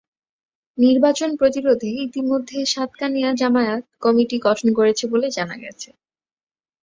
নির্বাচন প্রতিরোধে ইতিমধ্যে সাতকানিয়া জামায়াত কমিটি গঠন করেছে বলে জানা গেছে।